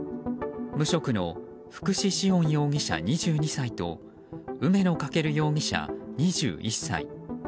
無職の福士至恩容疑者、２２歳と梅野風翔容疑者、２１歳。